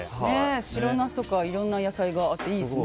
白ナスとかいろんな野菜があっていいですね。